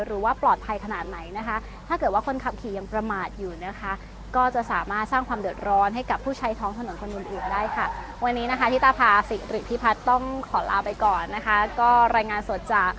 หรือว่าปลอดภัยขนาดไหนนะคะ